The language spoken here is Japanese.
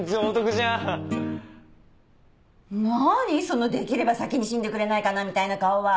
そのできれば先に死んでくれないかなみたいな顔は！